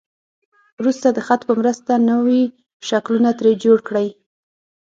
وروسته د خطو په مرسته نوي شکلونه ترې جوړ کړئ.